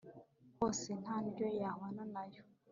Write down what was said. hose nta ndyo yahwana na yo